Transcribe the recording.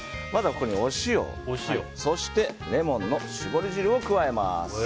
ここにお塩、そしてレモンの搾り汁を加えます。